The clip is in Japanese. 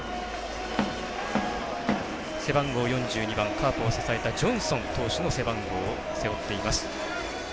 背番号４２番、カープを支えたジョンソン選手の背番号を背負っています。